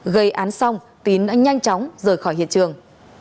gây án xong tín đã nhanh chóng rời khỏi hiện trường